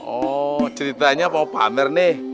oh ceritanya mau pamer nih